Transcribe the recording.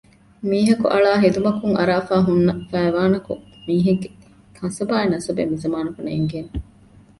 މީހަކު އަޅާ ހެދުމަކުން އަރާފައި ހުންނަ ފައިވާނަކުން މީހެއްގެ ހަސަބާއި ނަސަބެއް މިޒަމާނަކު ނޭންގޭނެ